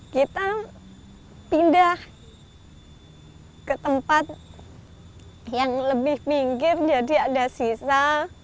kita pindah ke tempat yang lebih pinggir jadi ada sisa